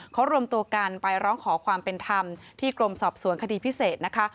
เขารวมตัวกันไปร้องขอความเป็นธรรมที่กรมสอบสวนคดีพิเศษนะคะ